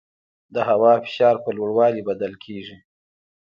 د هوا فشار په لوړوالي بدل کېږي.